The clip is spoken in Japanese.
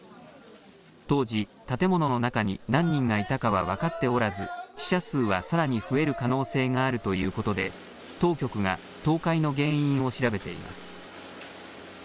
当時、建物の中に何人がいたかは分かっておらず死者数はさらに増える可能性があるということで当局が倒壊の原因を調べています。